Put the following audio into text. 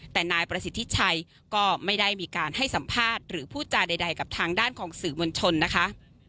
แต่นายประสิทธิชัยก็ไม่ได้มีการให้สัมภาษณ์หรือพูดจาใดกับทางด้านของสื่อมวลชนนะคะ